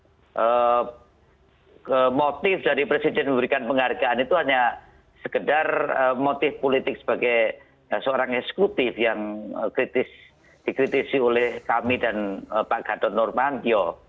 seperti seolah olah motif dari presiden memberikan penghargaan itu hanya sekedar motif politik sebagai seorang eksekutif yang dikritisi oleh kami dan pak gadot normandio